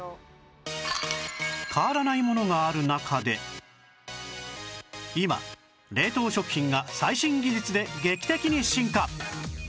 変わらないものがある中で今冷凍食品が最新技術で劇的に進化